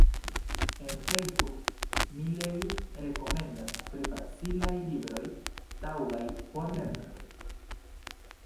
En Facebook mi legis rekomendon pri facilaj libroj taŭgaj por lernantoj.